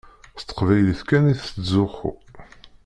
S teqbaylit kan i tettzuxxu.